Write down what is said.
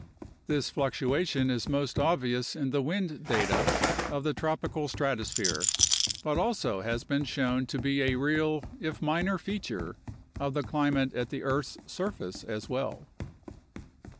This fluctuation is most obvious in the wind data of the tropical strato sphere but also has been shown to be a real if minor feature of the climate at the earth's surface as well.